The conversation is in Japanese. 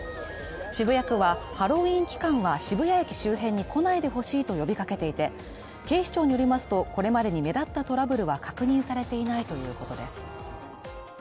渋谷区はハロウィーン期間は渋谷駅周辺に来ないでほしいと呼びかけていて、警視庁によりますとこれまでに目立ったトラブルは確認されていないということです。